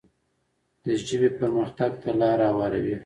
د ژبې پرمختګ ته لاره هواروي.